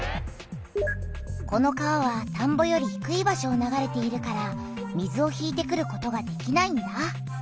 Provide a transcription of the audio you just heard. この川は田んぼよりひくい場所を流れているから水を引いてくることができないんだ！